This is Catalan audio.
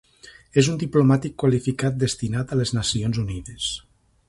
És un diplomàtic qualificat destinat a les Nacions Unides.